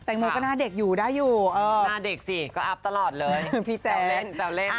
แล้วก็อายุห่างกันเนอะ๑๐ปีใช่ไหม